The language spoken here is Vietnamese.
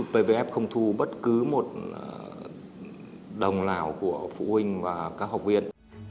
pvf không thu bất cứ một đồng nào của phụ huynh và các học viên